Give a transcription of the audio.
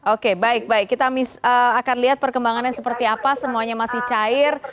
oke baik baik kita akan lihat perkembangannya seperti apa semuanya masih cair